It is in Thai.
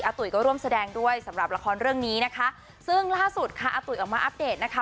ตุ๋ยก็ร่วมแสดงด้วยสำหรับละครเรื่องนี้นะคะซึ่งล่าสุดค่ะอาตุ๋ยออกมาอัปเดตนะคะ